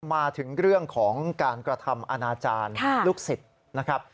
มาถึงเรื่องของการกระทำอาณาจารย์ลูกศิษย์นะครับ